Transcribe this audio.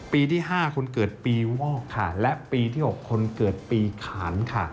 ปีที่๕คนเกิดปีวอกค่ะและปีที่๖คนเกิดปีขานค่ะ